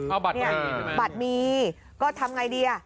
เอาบัตรเหมือนกันนะบัตรมีก็ทำไงดี